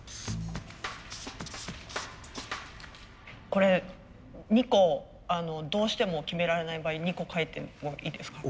これ２個どうしても決められない場合２個かいてもいいですか？